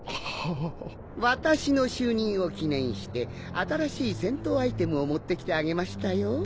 私の就任を記念して新しい戦闘アイテムを持ってきてあげましたよ。